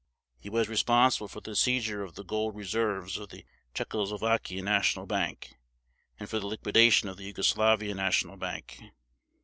He was responsible for the seizure of the gold reserves of the Czechoslovakian National Bank and for the liquidation of the Yugoslavian National Bank.